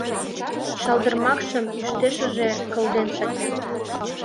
Шалдырмакшым ӱштешыже кылден сакен.